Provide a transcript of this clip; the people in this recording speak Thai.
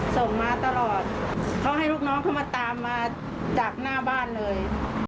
ส่งมาตลอดเขาให้ลูกน้องเขามาตามมาจากหน้าบ้านเลย